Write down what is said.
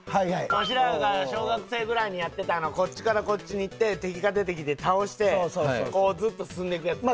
わしらが小学生ぐらいにやってたこっちからこっちに行って敵が出てきて倒してこうずっと進んでいくやつな。